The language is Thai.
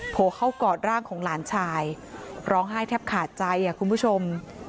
โผล่เข้ากอดร่างของหลานชายร้องไห้แทบขาดใจคุณผู้ชม